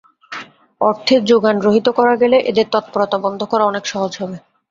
অর্থের জোগান রহিত করা গেলে এদের তৎপরতা বন্ধ করা অনেক সহজ হবে।